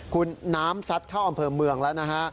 คุณน้ำซัดเข้าอำเภอเมืองแล้วนะฮะ